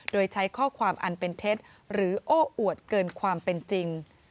โดยใช้ข้อความอันเป็นเท็จหรือโอ้อวดเกินความเป็นจริง